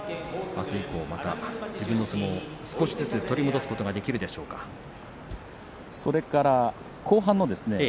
あす以降、自分の相撲を少しずつ取り戻すことができるでしょうか隆の勝です。